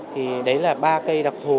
thì đấy là ba cây đặc thù